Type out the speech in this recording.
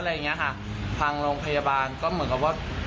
อะไรอย่างนี้ค่ะภังโรงพยาบาลก็เหมือนกับว่า